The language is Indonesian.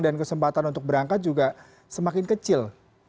dan kesempatan untuk berangkat juga semakin kecil